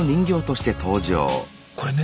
これね